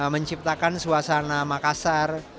menciptakan suasana makassar